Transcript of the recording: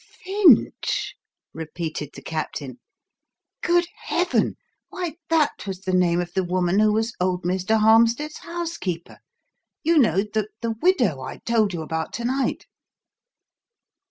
"Finch?" repeated the Captain. "Good Heaven! Why that was the name of the woman who was old Mr. Harmstead's housekeeper you know, the widow I told you about to night."